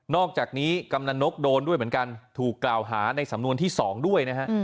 อกจากนี้กำนันนกโดนด้วยเหมือนกันถูกกล่าวหาในสำนวนที่๒ด้วยนะฮะ